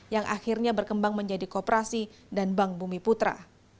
yang akhirnya berkembang menjadi kooperasi dan bank bumi putra